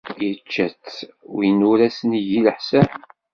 Yečča-tt win ur as-negi leḥsan.